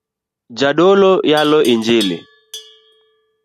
Jadolo yalo injili